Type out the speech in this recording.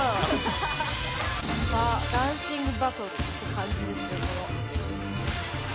ダンシングバトルって感じですけれども。